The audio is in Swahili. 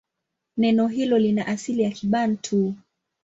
Neno hilo lina asili ya Kibantu.